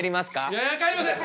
いや帰りません！